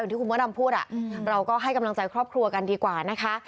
ที่คุณมดดำพูดเราก็ให้กำลังใจครอบครัวกันดีกว่านะคะ